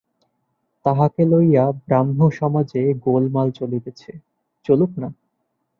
তাহাকে লইয়া ব্রাহ্মসমাজে গোলমাল চলিতেছে, চলুক-না।